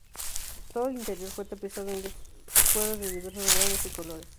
Todo el interior fue tapizado en cuero de diversos granos y colores.